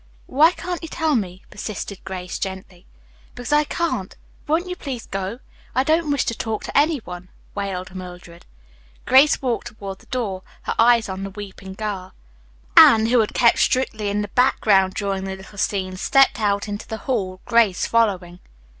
"Why can't you tell me?" persisted Grace gently. "Because I can't. Won't you please go. I don't wish to talk to any one," wailed Mildred. Grace walked toward the door, her eyes on the weeping girl. Anne, who had kept strictly in the background during the little scene, stepped out into the hall, Grace following.